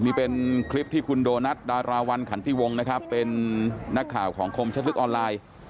มีเป็นคลิปที่ดูนัสดาราวัลฝั่งคันที่วงเป็นนักข่าวของคมชะทึกออนไลน์